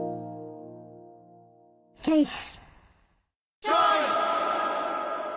チョイス！